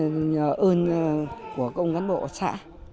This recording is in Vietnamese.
nhờ ơn của các ông cán bộ xã